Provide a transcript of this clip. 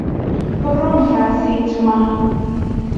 koroom kasiit maa